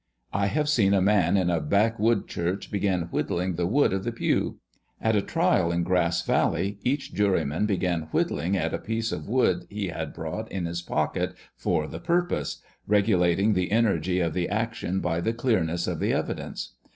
I have seen a man in a backwood church begin whittling the wood of the pew. At a trial in Grass Valley, each juryman began whittling at a piece of wood he had brought in his pocket for the pur pose, regulating the energy of the action by the clearness of the evidence.